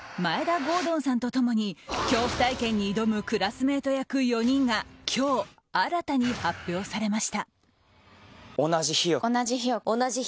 田郷敦さんと共に恐怖体験に挑むクラスメート役４人が今日、新たに発表されました。